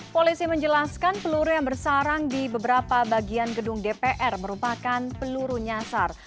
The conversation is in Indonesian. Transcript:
polisi menjelaskan peluru yang bersarang di beberapa bagian gedung dpr merupakan peluru nyasar